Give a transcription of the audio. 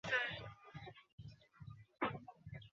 তিনি গৌড় ও বঙ্গ দুইটি রাজ্যের অধিকার প্রাপ্ত হন।